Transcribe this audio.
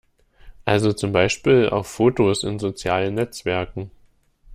Also zum Beispiel auf Fotos in sozialen Netzwerken.